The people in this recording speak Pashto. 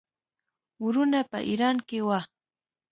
وروڼه په ایران کې وه.